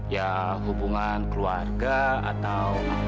ya hubungan keluarga atau apa gitu